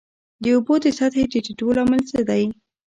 د اوبو د سطحې د ټیټیدو لامل څه دی؟